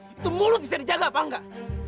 itu mulut bisa dijaga apa enggak